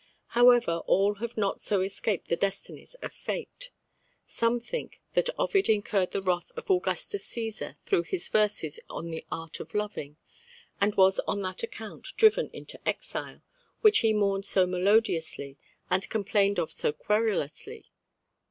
However, all have not so escaped the destinies of fate. Some think that Ovid incurred the wrath of Augustus Caesar through his verses on the art of loving, and was on that account driven into exile, which he mourned so melodiously and complained of so querulously.